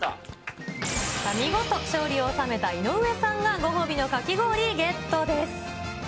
見事、勝利を収めた井上さんがご褒美のかき氷ゲットです。